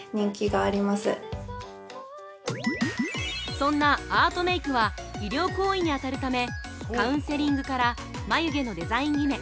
◆そんなアートメイクは医療行為に当たるためカウンセリングから眉毛のデザイン決め